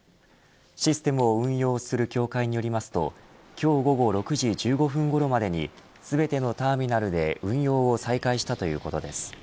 システムを運用する協会によりますと今日午後６時１５分ごろまでに全てのターミナルで運用を再開したということです。